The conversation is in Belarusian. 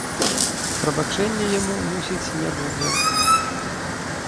Прабачэння яму, мусіць, не будзе.